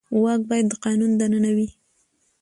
واک باید د قانون دننه وي